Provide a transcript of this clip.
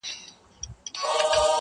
يو بل هلک چوپ پاتې کيږي-